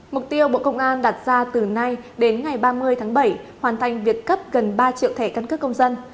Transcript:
mục tiêu bộ công an đặt ra từ nay đến ngày ba mươi tháng bảy hoàn thành việc cấp gần ba triệu thẻ căn cước công dân